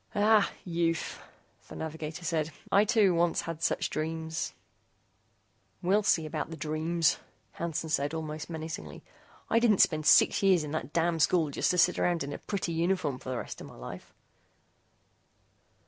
"Ah, youth!" the navigator said, "I, too, once had such dreams ""We'll see about the dreams," Hansen said, almost menacingly, "I didn't spend six years in that damn school just to sit around in a pretty uniform for the rest of my life."